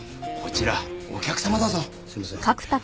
こちらお客様だぞ。